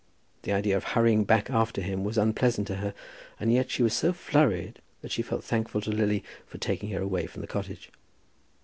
The idea of hurrying back after him was unpleasant to her, and yet she was so flurried that she felt thankful to Lily for taking her away from the cottage.